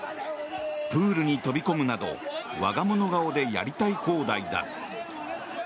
プールに飛び込むなど我が物顔でやりたい放題だ。